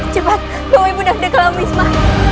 cepat bawa ibunya ke wisma